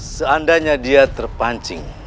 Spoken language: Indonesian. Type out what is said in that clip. seandainya dia terpancing